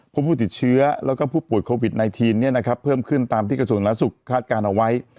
ผู้ผู้ติดเชื้อแล้วก็ผู้ปวดโควิด๑๙เนี่ยนะครับเพิ่มขึ้นตามที่กระสุนรัฐสุขคาดการณ์เอาไว้